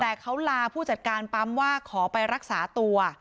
แต่เขาลาผู้จัดการปั๊มว่าขอไปรักษาตัว